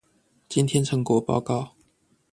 今天成果報告